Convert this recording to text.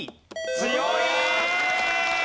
強い！